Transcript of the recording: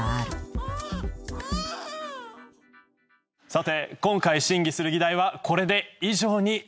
さて今回審議する議題はこれで以上になります。